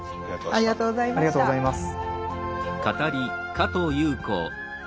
ありがとうございます。